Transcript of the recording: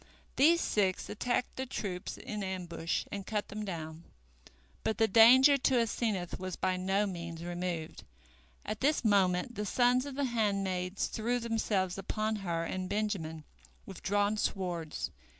These six attacked the troops in ambush and cut them down. But the danger to Asenath was by no means removed. At this moment the sons of the handmaids threw themselves upon her and Benjamin with drawn swords.